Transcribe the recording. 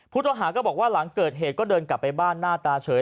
ผู้ต้องหาก็บอกว่าหลังเกิดเหตุก็เดินกลับไปบ้านหน้าตาเฉย